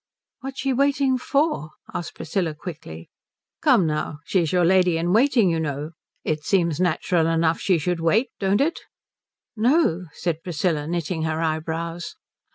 "What is she waiting for?" asked Priscilla quickly. "Come now, she's your lady in waiting you know. It seems natural enough she should wait, don't it?" "No," said Priscilla, knitting her eyebrows.